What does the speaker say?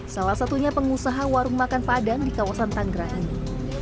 salah satunya pengusaha warung makan padang di kawasan tanggerang ini